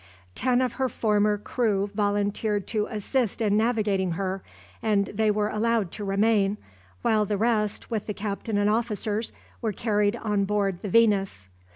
Ten of her former crew volunteered to assist in navigating her, and they were allowed to remain, while the rest, with the captain and officers, were carried on board the "Venus."